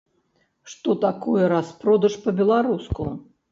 Што такое распродаж па-беларуску?